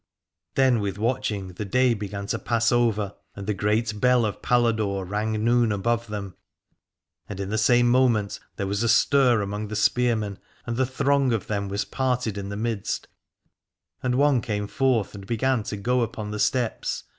Then with watching the day began to pass 348 Aladore over, and the great bell of Paladore rang noon above them. And in the same moment there was a stir among the spearmen and the throng of them was parted in the midst and one came forth and began to go upon the steps.